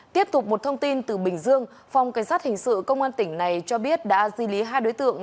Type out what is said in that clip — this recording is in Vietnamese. tiếp tục một thông tin từ bình dương phòng cảnh sát hình sự công an tỉnh này cho biết đã di lý hai đối tượng